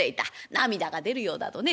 涙が出るようだとね。